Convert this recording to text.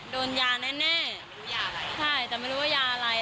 โดนยาแน่แน่ไม่รู้ยาอะไรใช่แต่ไม่รู้ว่ายาอะไร